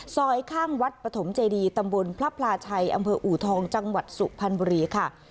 ซอยข้างวัดปฐมเจดีตำบลพระพลาชัยอำเภออูทองจังหวัดสุพรรณบุรีค่ะ